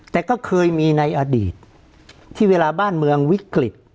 แต่ก็เคยมีในอดีตที่เวลาบ้านเมืองวิกฤต